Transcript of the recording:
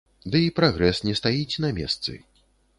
Дый прагрэс не стаіць на месцы.